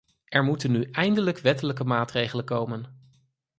Er moeten nu eindelijk wettelijke maatregelen komen.